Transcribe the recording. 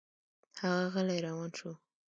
هغه غلی روان شو.